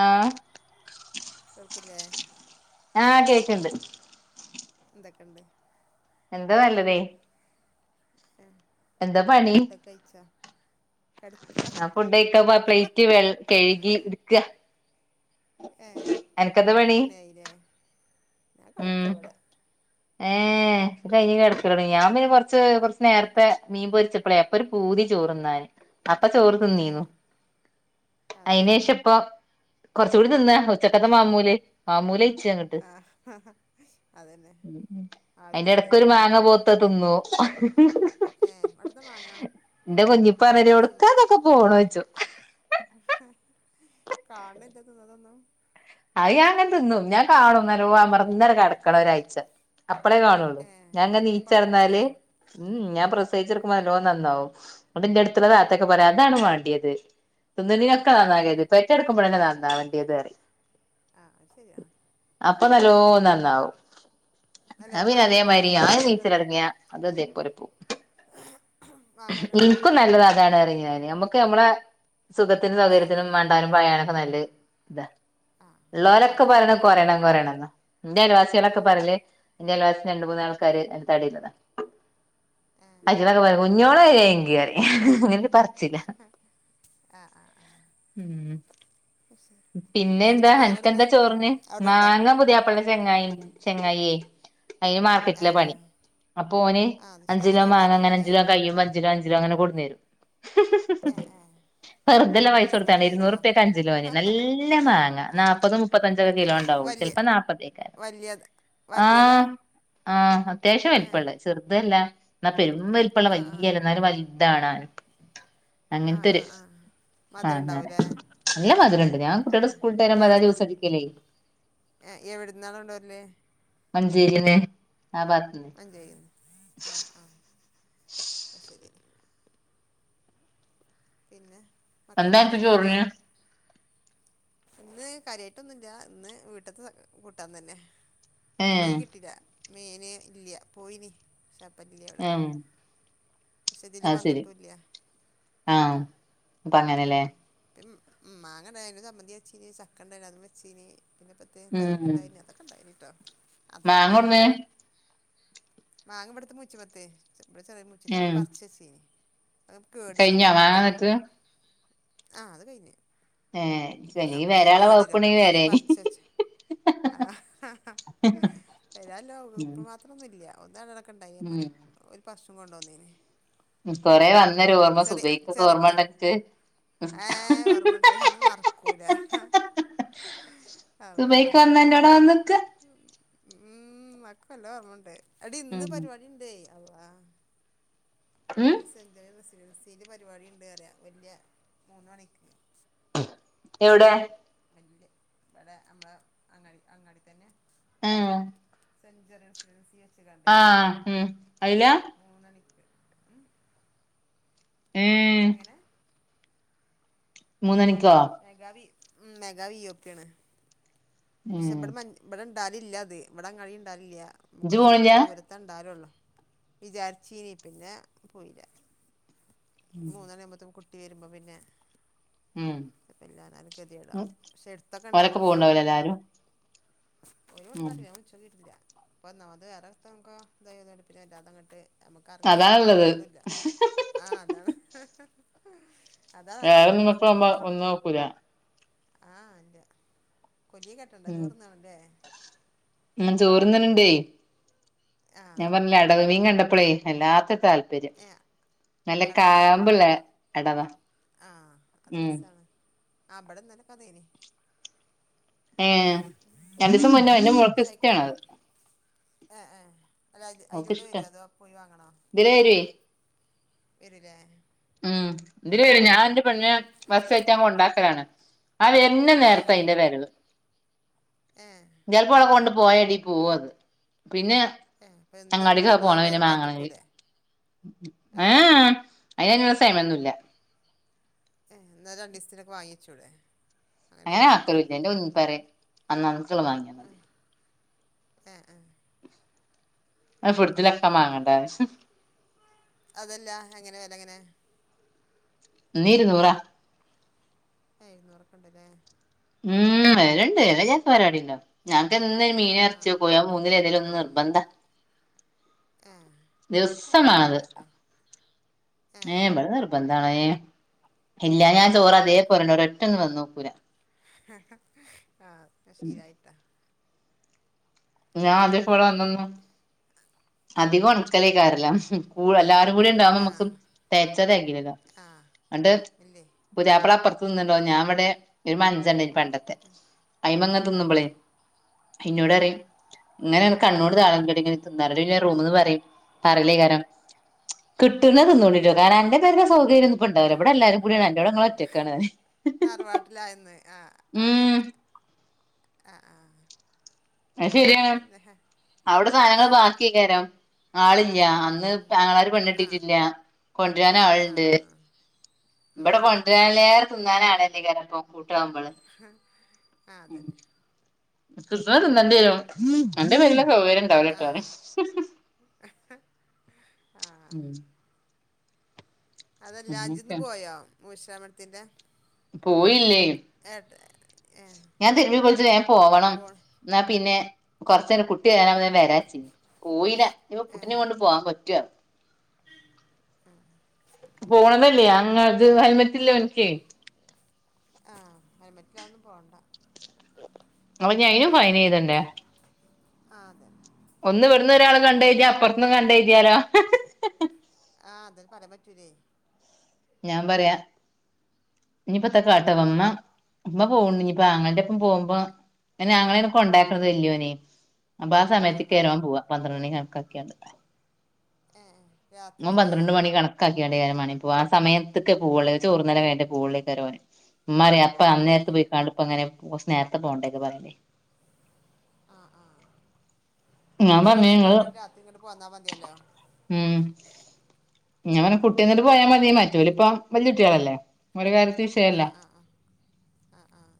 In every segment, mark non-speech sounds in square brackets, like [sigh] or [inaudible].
ആ കേൾക്കില്ലേ ഞാ അണ്ട് കേക്ക്ണ്ട് എന്തൊക്കെണ്ട്? എന്താ നല്ല തേ ഉം പണി ഫുടൊക്കയ്ച്ചോ? ഞാൻ ഫുഡ് കയിക്കാൻ പോയ പ്ലെയ്റ്റ് വെൾ കഴുകി എടുക്കാ ഏ അനക്കെന്താ പണി മൂന്നണി ആയിലേ ഞാൻ കടക്കാ വിടെ ഏ ഏ കയ്യയ്കി കടക്കലൊടങ്ങിയോ ഞാൻ പിന്നെ കൊറച്ച് കൊറച്ച് നേരത്തെ മീൻ പൊരിച്ചപ്പളെ അപ്പൊ ഒരു പൂതി ചോറ്ന്നാന് അപ്പ ചോറ് ഏ തിന്നീന്നു അത് ശരി അയിനേഷം ഇപ്പൊ കൊറച്ചൂടി തിന്ന ഉച്ചക്കത്തെ ഏ മാമൂല് മാമൂല്എയിച്ച അങ്ങട്ട് ആ അതന്നെ അയിന്റെ എടക്കൊരു ആരുല്ലല്ലോല്ലേ മാങ്ങ പഉത്തെ തിന്നു ഏ അവിടുന്ന് മാങ്ങ ന്റെ കുഞ്ഞിപ്പറീം എവിട്ക്കാ തൊക്കെ പോണെച്ചും കാണ് ണില്ല തിന്നതൊന്നും അത് ഞാൻങ്ങനെ തിന്നും ഞാൻ കാണും നല്ലോം അമർന്നാണ്ട് കടക്കണം ഒരാഴ്ച്ച അപ്പളേ കാണോള്ളൂ ഏ ഞാങ്ങനെ അപ്പൊ കാണുള്ളൂല്ലേ നീച്ചടന്നാല് മമ്മ് മ് ഞാൻ ഉം പ്രസയിച്ചട്ക്കുമ്പോ നല്ലോ നന്നാവും ന്ന്ട്ട് ന്റെടുത്തുള്ള ഏ താത്തോക്കെ പറയും അതാണ് വാണ്ടിയെത് തിന്ന്നീനോക്ക ആ നന്നാകര് പെ റ്റടുക്ക്പോഴന്നാ നന്നാവണ്ടിയത് അറിയും ആ അയ് ശരിയാണ് അപ്പൊ നല്ലോ നന്നാവും അല്ലെ ഞാൻ പിന്നെ മാങ്ങ അതെ എവിടുന്നാ മാതിരി ഞാൻ നീച്ചൽ അവിടെണ്ടോ ലോടങ്ങിയാ അത് അതെ പോലെ പോവും മാങ്ങ അവിടെണ്ടോ ഇൻക്കും നല്ലത് അതാണ് റിയും ഞാന് അമ്മക് ക്കെ അമ്മളെ സുഖത്തിനും ആ സൗകര്യത്തിനും അതന്നെ മണ്ടാനും പായാനൊക്കെ നല്ലഹ് താ ആ അല്ല ഇള്ളോലോ ക്കെ ആവശ്യത്തിന് പറയണെ മാങ്ങ വേണം കൊറ്യണം കൊറ്യണംന്നാ ന്റെ അയൽ ആ വാസിയളോക്കെ പറയല് ന്റെ അയൽ വാസി രണ്ട് മൂന്നാൾക്കാര് തടിള്ളതാ ഏ അയിറ്റോളോക്കെ പറയും കുഞ്ഞോളെങ്കിറി പ ചില്ല ആ ആ ആ ഉം പിന്നെ എ ന്താ എവിടുന്നാ മാങ്ങ അനക് എവിടുന്നാ എന്താ ചോറിന് അവിടെണ്ടോ മാങ്ങ പുതിയാപ്ലന്റ ചെങ്ങായ്‌ ചെങ്ങായിയെ അയ്ന് മാർക്കറ്റില ആഹ് പണി ആഹ് അപ്പൊ ഓന് ആഹ് അത് ശരി അങ്ങനെ അഞ്ചലോ മാങ്ങ അങ്ങനെ കൊണ്ടുവന്നാവൂലേ അഞ്ചിലോ കഴിയുമ്പോ അ ഞ്ചുലോ അഞ്ചുലോ അങ്ങനെ കൊണ്ട്ന്നരും ഏഹ് ഏഹ് വെറുതെല്ലാ പയസ രണ്ടീസം കൊണ്ട് കൊടുത്താണ് തീരുവോ ഇരുന്നൂറുപ്യക് അഞ്ചിലോ നല്ല മാങ്ങ ആഹ് നാല്പ്പത് മുപ്പത്തഞ്ചൊക്കെ കിലോ ഏഹ് ണ്ടാവുള്ളൂ വല്യ ചിലപ്പോ നാല്പ്പത്യയ്കാര വല്യത് വല്യതാ ആഹ് ആഹ് അത്യാവശ്യം ഏഹ് വലിപ്പള്ളഹ് ചെറുതല്ല എന്നാ പെരു വലിപ്പള്ള ആഹ് ആഹ് വല്ല്യല്ല എന്നാലും വൽ താണ് [inaudible] ആഹ് അങ്ങൻത്തെരു ആഹ് ആഹ് മധുരം ആഹ് ഉണ്ടാവൂലേ നല്ല മധുരണ്ട് ഞാൻ കുട്ട്യേൾക് ഏഹ് സ്കൂൾട്ട രംമ്പതാ എവിടുന്ന് ജുസട്കല് ഏഹ് എവിടുന്നാ കൊണ്ടോര്ല് മഞ്ചേരിന്ന് ആ ഭാഗത്ത്ന്ന് മഞ്ചേരിന്ന് ആഹ് ആഹ് അഹ് ശരി പിന്നെ മക്കളൊക്കെ എന്താപ്പ വരാനായില്ലേ ചോറിന് ഇന്ന് കാര്യായിട്ടൊന്നുല്ല ഇന്ന് വീട്ട്ത്തെ കൂട്ടാൻ തന്നെ ഇന്ന് ഏഹ് മീൻ കിട്ടില്ല മീൻ ഇല്ല്യ പോയിനി ശപ്പല്ല്യ അവിടെ ഉം പക്ഷെ ഇതില് അത് ശരി വന്നിട്ടുംല്ല ആഹ് പ്പ അങ്ങനെല്ലേ പിം മാങ്ങണ്ടായാ അയ്നോ സമ്മന്തിച്ചീന് ചക്ക ണ്ടായാ അതും വെച്ചീനി പിന്നെപ തി തൈര് ഉം ണ്ടായിന് അതൊക്കെ ഇണ്ടായിനിട്ടോ അതൊക്കെ മാങ്ങൊട്ന്ന് പോരാമക്ക് മാങ്ങ ഇവട്ത്ത മുച്ചിമത്തേ ഇവിടെ ചെറിയ മുച്ചി അഹ് ഉം പർച്ചച്ചീനി അഹ് കേടു വരും കഴിഞ്ഞോ മാങ്ങ പെട്ടെന്ന് എന്നിട്ട് ആഹ് അത് കഴിഞ് ഏഹ് അല്ലെങ്കി അപ്പ അത് വരാനുള്ള കേടുവരും അപ്പ വകുപ്പുണ്ടെങ്കി അങ്ങനെ വരേനി പറിച് വച്ച ആഹ് വരാൻ ലോ ഉം ഇപ്പ മാത്രംന്നുല്ല്യ ഒന്നണ്ടണ്ണക്ക ഉണ്ടായി അയ്മ്മ ഉം ഓല് പർചും കൊണ്ടോന്നീന് ഉം കൊറെ വന്നരോർമ്മ സുബൈക്കൊക്കെ സുഖക്കൊക്കെ ഓർമ്മണ്ടൻക് ഏഹ് ഓർമ്മണ്ട് അത് മറക്കൂല അള്ളാ സുബൈക്ക് വന്നഅന്റോട വന്ന്ക്ക ഉം അഹ്ക്കല്ലോ ഓർമണ്ട് അടി ഇന്ന് ഉം പരിപാടിണ്ടേ അള്ളാ ഉം ഇന്ന് സെഞ്ചുണ റെസിഡൻസിൽ പരിപാടിണ്ട് അറിയ വല്യ മൂന്ന് മണിക്ക് എവിടെ വല്യ ഇവടെ നമ്മള അങ്ങാടി അങ്ങാടി തന്നെ ഉം സെഞ്ചറിയൻസിഡൻസി ആഹ് ഉം അയില മൂന്നണിക്ക് ഏഹ് എങ്ങനെ മൂന്നണിക്കോ [unintelligible] പക്ഷെ ഉം ഇവിടെ ഇവിടെണ്ടാകില്ല അത് ഇവിട കഴിയിഉണ്ടാവില്ല ഇജ്ജ് കുറച്ച് പോണില്ല ദൂരത് ത്തണ്ടാലള്ളൂ വിചാരിച്ച ഇനി പിന്നെ പോയില്ല മൂന്നുമണിയാകുമ്പോത്തേക്കും കുട്ടി വരുമ്പോ പിന്നെ ഉം [unintelligible] ഗെതികേടാവും പക്ഷെ എടുത്തൊക്കെ ഓലൊക്കെ ഉണ്ടാവുമ്പോ പോവ്ണ്ടാവൂലേ പോകാനാരെ എല്ലാരും ഒഴിവ് ഉം ഉണ്ടാവും ഞാൻ ചോദിച്ചിട്ടില്ല അപ്പൊ ഒന്നാമത് [unintelligible] പിന്നെ അല്ലാത അങ്ങിട്ട് നമക്ക്റങ്ങിട്ട് അതാണ്ള്ളത് നോക്കിട്ടില്ല ആഹ് അതാണ് അതാ അല്ലെങ്കി വേറൊന്നും എപ്പളോ ഇവക്ക് പോകുമ്പോ പോവില്ലേ ഒന്നും നോക്കൂല ആഹ് അല്ല കൊല്ലിയ കെട്ടണ്ട ഉം ചോറ്ന്ന് കാണും ല്ലേ ഉം ചോറ്തിന്നണ് ണ്ടേ ആഹ് ഞാൻ പറഞ്ഞില്ലേ അടവ് മീൻ കണ്ടപ്പോളേ വല്ലാത്ത താൽ പര്യം ഏ നല്ല അടവാണ് കാമ്പുള്ളേ എടത ആഹ് അത് രസാണ് ആ ബ്ടന്നെലേക്ക അതേന് ഏഹ് രണ്ടു ദിവസം മുന്ന അന്റെ മോൾക്ക് ഇഷ്ട്ടാണ് അത് ആഹ് ആഹ് അല്ല അത് അതിലൂടെ വരോ അതോ പോയി വാങ്ങണോ ഇതിലേ വരുവേ വരൂല്ലേ ഉം ഇതില് വരും ഞാൻ എന്റെ പെണ്ണിനെ ബസ്സേറ്റാൻ കൊണ്ടാക്കലാണ് അവരുന്ന നേരത്ത ഏഹ് അതിന്റെ വരവ് ഏഹ് പ്പോളെ കൊണ്ട് പോയടി പോവത് പിന്നെ ഏഹ് അപ്പൊ എന്നും അങ്ങാടിക്ക് എന്നും പോണം അത് വാങ്ങുമ്പോ പിന്നെ അയാൾ മാങ്ങണെങ്കി കാത്ത്ക്കൂലേ ഏഹ് ആഹ് അതിനങ്ങനുള്ള സമെന്നുല്ല ഏഹ് എന്നാ രണ്ട് ദിവസത്തിനൊക്കെ വാങ്ങിച്ചൂടെ അങ്ങനെ ഏഹ് വരുമ്പോക്കെ [unintelligible] ഏഹ് ഏഹ് ആഹ് ആഹ് [unintelligible] അതല്ല അങ്ങനെ വര എങ്ങനെ ന്നി ഇരുന്നൂറാ ഏഹ് [unintelligible] റക്കണ്ടല്ലേ ഉം [unintelligible] പരിപാടിണ്ടോ ഞങ്ങക്ക് എന്നും ഈ മീനും എറച്ചി ആഹ് ഒക്കെയാ ഞങ്ങക്ക് മൂന്നിലെ ഏതേലും ഒന്ന് നിർബന്ധ ഏഹ് ദിവസമാണത് അങ്ങനൊന്നുല്ലട്ടോ ഏഹ് ഇവിട നിർ ബന്താണ്‌ ഏഹ് ഇല്ലെ ഞാൻ ആ ചോറ് അതേ പോലണ്ട് ഒരൊറ്റ ഒന്ന് വന്ന് നോക്കൂല ഇപ്പ [unintelligible] ഞാൻ ആദ്യം [unintelligible] അധിക ഒണക്കലീ ഈ കാരലോ എല്ലാരും കൂടി ഉണ്ടാകുമ്പോ ആ നമുക്ക് [unintelligible] ആ അന്നിട്ട് ഇല്ലേ പുതിയാപ്പിള അപ്പുറത്ത് നിന്നണ്ടോ ഞാൻ ഇവിടെ ഒരു മഞ്ചെണ്ടേ പണ്ട ത്തെ അയിമങ്ങ തിന്ന്മ്പളെ അയിനോട് ഒരു ഇങ്ങനെ കണ്ണോട് താളൻ കേട്ട ഇങ്ങനെ തിന്നാ റൂമന്ന് പറയും പറയില്ലേ കാരം കിട്ടുന്നതിന്നോളീം കേട്ടോ കാരണം എന്റെ പെരേടെ സൗകര്യം ഇപ്പ ഇണ്ടാവില്ല ഇവടെ എല്ലാവരും കൂടിയാണ് എന്റെവിടെ ഞങ്ങള് ഒറ്റക്കാണ് തറവാട്ടിലായിന്ന് ആഹ് ഉം അങ്ങനെ ആഹ് ആഹ് അത് ശരിയാ അവിടെ ആ സാധനങ്ങള് ബാക്കി [unintelligible] ആളില്ല ഉം അന്ന് ഉം ഉം ആങ്ങളാര് ആ പെണ്ണ്കെട്ടിട്ടില്ല കൊണ്ടുവരാൻ ആ ആളണ്ട് ആ ആ ഉം ഇവിടെ ഉം കൊണ്ട്പോയാല് തിന്നാനാണല്ലേ [unintelligible] കൂട്ടാവുമ്പോള് ആ അതന്നെ കിട്ടണത് തിന്നണ്ടിവരും അന്റെ പെരേലെ സൗകര്യം ഇണ്ടാവൂല ട്ടോ ഓൻ ആഹ് ഉം അതല്ല ഇഞ്ജന്ന് അങ്ങനൊക്കെ പോയോ മൂശാമ്പളത്തിറെ പോയില്ലേ ഏട്ട് ഞാൻ തിരുമ്പി കുളിച് വേം പോവണം എന്നാ പിന്നെ കൊറച്ച നേരം കുട്ടി വരാവുമ്പോ വരാച്ചി കോഴിനെ ഇനി ഇപ്പൊ കുട്ടിനെ കൊണ്ട് പോവാൻ പറ്റൊ ഉം പോണതല്ലേ അങ് അത് ഹെൽമറ്റ ഇല്ലേ ഓൻക്ക് ആഹ് ഹെൽമറ്റിലാതൊന്നും പോവണ്ട അപ്പൊ ഇഞ് അയ്‌നും ഫൈൻ എയ്തണ്ടേ ആഹ് അതേ ഒന്ന് ഇവിടുന്ന ഒരാൾ കണ്ട കഴിച്ചാ അപ്പുറന്നും കണ്ടയ് തീയാലോ ആഹ അതന് പറയാൻ പറ്റൂല്ലേ ഞാൻ പറയാ ഇനിപ്പത്ത കാട്ട വമ്മ ഇമ്മ പോവ്ണ്ട് ഞ്ഞ് പ്പൊ ആങ്ങളന്റൊപ്പം പോവ്മ്പോ അയ്ന് ആങ്ങള ആണ് കൊണ്ടാക്കണത് ഇല്യോനെ അപ്പൊ ആ സമയത്ക്കേരം ഓൻ പോവാ. പന്ത്രണ്ടണി കണക്കാക്ക്യണ്ട് ഏ ഏ, മോൻ രാത്രിയിലേ പന്ത്രണ്ട് മണി കണ കാക്യാണ്ടെയ്കാരം മാണെ പോവ ആ സമയത്ത്ക്കെ പോവുള്ളൂ. ചോറു തിന്നല് കയ്ഞ്ഞ്ട്ടെ പോവൊള്ളയ്ക്കാരം ഓന് മ്മ പറ്യ പ്പ ആ അന്നേരത്ത് ആ പോയികാണ്ട് ഇപ്പങ്ങെനെ പോ കുറച്ച് നേരത്തെ പോണ്ടേ ക്കെ പറഞ്ഞു ആഹ ആഹ് അയ്ന് ഞാൻ പറഞ്ഞ് വൈകുന്നേരം ഇങ്ങള് പോയിക്കാണ്ട് രാത്രി ങ്ങട്ട് പോന്നാ മതിയല്ലോ. ഉം. കുട്ടി വന്നിട്ട് പോയാൽ മതി മറ്റോല് പ്പം വല്യ കുട്ട്യാളല്ലേ ഓരെ കാര്യത്തി വിഷയല്ല ആഹ് ആഹ് ആഹ്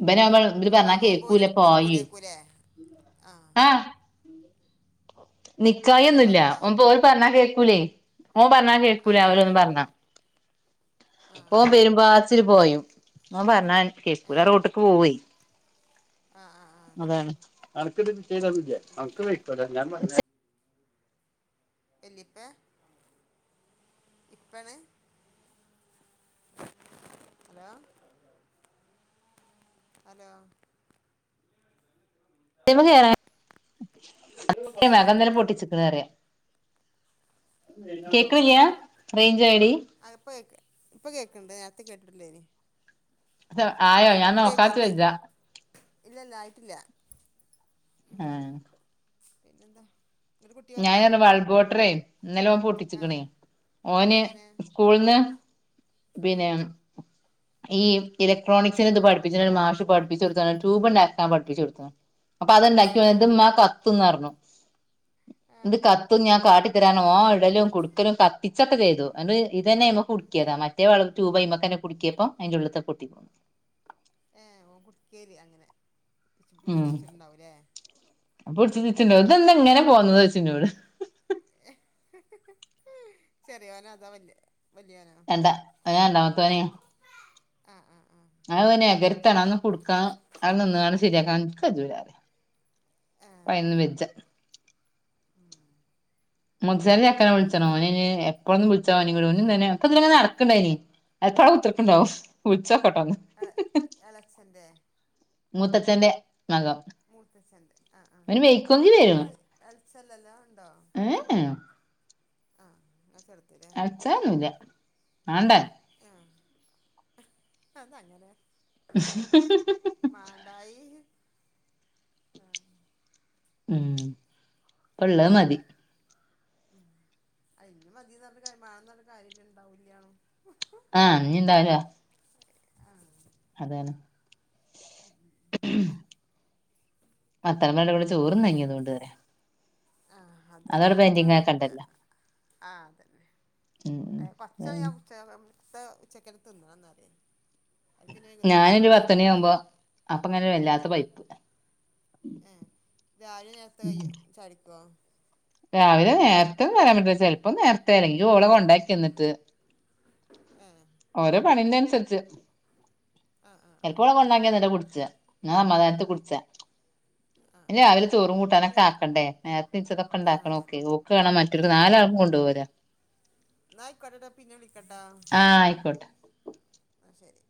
ഇബനാവുമ്പോ ഇബല് പറഞ്ഞാ ഇയ് പോവുമ്പം കേക്കൂല ഓലെട്ത്ത് പായേ നിക്കൂലേക്കും ലെ ആഹ. ഏ നിക്കായിന്നൊല്ല്യ വന്നോ ഓര് പറഞ്ഞാ കേക്കൂലേ. ഓൻ പറഞ്ഞ ആ കേക്കൂല ആ ഓലൊന്നും പറഞ്ഞാ ആ ഓൻ പെരുമ്പാച്ച് പാച്ചിൽ പായും ഓൻ പറഞ്ഞാ കേക്കൂല റോട്ട്ക്ക് പോവെ. ആഹ് ആഹ് അതാണ് അന്ക്ക്ത് ചെയ്തന്നില്ലെ അന്ക്ക് [unintelligible] വല്ലിപ്പെ ഇപ്പേണ്. ഹലോ ഹലോ [unintelligible] എങ്ങനെ മകൻ ഇന്നല്ലെ പൊട്ടിച്ച്ക്ക്ണ് പറയാ കേക്ക്ണില്യ? റെയ്ഞ്ച് പോയോ ടീ? ആഹ് ഇപ്പ കേക്ക് ഇപ്പ കേക്ക്ണ്ട് നേര്ത്തെ കേട്ട്ട്ടില്ലേനി. തൊ ആയോ അ ഇന്റെക്ക് ഇന്റെ ഇല്ല ഇല്ല ആയിട്ടില്ല. ഏഹ് പിന്നെന്താ. ഒരു കുട്ടി ഞാന വന്നോ റഞ്ഞെ ബൾബോഡറേ ഇന്നലെ ഓൻ ആ പൊട്ടിച്ചിക്ക്ണെ ഓന് അങ്ങനെ സ്കൂൾന്ന് ഉം, പിന്നെ ഈ ഇലക്ട്രോണിക്സിന്റെ ത് പഠിപ്പിച്ച് ണ ഒരു മാഷ് പഠിപ്പിച്ചൊട്ത്ത്ണ് ട്യൂബ് ണ്ടാക്കാൻ പഠിപ്പിചൊട്ത്തീണ്. അപ്പം അത്ണ്ടാക്കി ഏ ഓന് ഇത് മ്മാ കത്തും ന്ന് റഞ്ഞു. ആ ഇത് കത്തും ഞാൻ കാട്ടി തര റഞ്ഞ് ഓൻ ഇടലും കുടുക്കലും കത്തിച്ചൊക്കെ ചെയ്തു. ഇത് ഇതെന്നെ അയ്മെ ആ കുട്ക്യ ത മറ്റെ ബൾ ട്യൂബ് അയ്മക്കെന്നെ കുട്ക്ക്യപ്പം അയ്ന്റെ ഉള്ള്ത്തെ പൊട്ടി പോ ഏ ഓൻ കുടിക്കലിഅങ്ങനെ. ജ് പിടിച്ച് ഉം വച്ചിട്ടുണ്ടാവും ല്ലേ ആ ശരി. എങ്ങനെ പോന്നത് ചോയ്ച്ച് ന്നോട്. ചെറ്യോനോ അതോ വല്യ വല്യോ നോ? എന്താ അത് രണ്ടാമത്തോനേയ്. ആഹ ആഹ ആഹ. അ ഓനെ എകരത്താണ് അതൊന്നും കുടുക്കാൻ അവിടെ നിന്ന്കാണ്ട് ശരിയാക്കാൻ ഇന്ക്ക് കജ്ജൂല. ആ പ്പയ്നൊന്നും വജ്ജ. ഉം. മുസ ന്റെ ചെക്കനെ വിളിച്ചണോ ശരി ഓന് അയ്ന്എ ഇപ്പളൊന്നും വിളിച്ചാ ഓനിം കൂടെ ആ ഓനുംതന്നെ ഒക്കെതിലെങ്ങനെ നടക്ക്ണ്ടായിനി ഒക്കെ അവുടെ കുത്തർ പ്പണ്ടാവും വിള്ച്ചോക്കട്ടൊന്ന്. എ- എളച്ചൻ്റെ മൂത്തച്ഛന്റെ നഖം. മുത്തച്ഛന്റെ ആഹ ആഹ അല്ല അനക്ക് എള എളച്ഛൻ ല്ലല്ലോ ണ്ടോ? ഏ ഏ. ആഹ ഞാ ചെറ് എളച്ഛനൊന്നുല്ല്യ മാണ്ടാനും. ആഹ അ ന്താ അങ്ങനെ? മാണ്ടായി ആഹ. ഉള്ളത് മതി ഉം അ ഇഞ്ഞ് മതി കാര്യം വാണം കാര്യംട്ട ഇണ്ടാവില്ലണോ ആഹ ഉണ്ടാവൂല ആഹ് അതെന്നെ ഉം ഉം ഉം വർത്താനം പറഞ്ഞകൂടെ ചോറന്നങ്ങി അതുകൊണ്ട് തരാ ആഹ് അത അങ്ങനെ അ ആക്കണ്ടല്ലോ ആ അതന്നെ ഉം കൊറച്ച ഞാൻ ഉച്ച ഉ ഉച്ചക്കനത്ത്ന്നാന്നറിയ അത്പിന വൈകുന്നേരം വന്നാ ഒരു ഞാനൊരു പത്തണി ആവുമ്പോ രശേഷപ്പായ്ക്കാരം അപ്പ അങ്ങനെ വല്ലാത്ത പൈപ്പ് രാവിലെ നേരത്ത് കയ്യോ ച യടിക്കുവോ രാവിലെ നേരത്തെന്ന് പറരാൻ പറ്റില്ല ചിലപ്പോ നേരത്തെ അല്ലെങ്കി ഓള കൊണ്ടാക്കി വന്നിട്ട് ഉം ഓരോ പണി ന്റ നുസരിച് ആഹ് ആഹ് ആഹ് ചിലപ്പോള ആഹ് കൊണ്ടക്കി വന്നിട്ടാ കുടിച്ച ശരി ന സമാധാനത്തിൽകുടിച്ചാ ആഹ് ഇല്ല ആഹ് രാ വല് ചോറും പി കൂട്ടാനൊക്കെ ആണ്ടേ നേരത്തെ നി ആഹ് ഇച്ചതക്കെണ്ടാക്കണം ഓെ അതന്നെ ഓക്ക് കാണണം മറ്റൊരു നാലാളും കൊണ്ടോവോ ല ന്നാ എന്നായിക്കോട്ടെട്ടാ പിന്നെ വിളിക്കട്ടാ ആഹ് ആയിക്കോട്ടെ എന്നാ ശരി